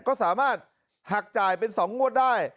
ก็สามารถหักจ่ายเป็น๒งวดได้